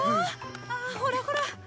ああほらほら。